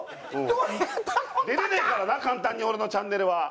出れねえからな簡単に俺のチャンネルは。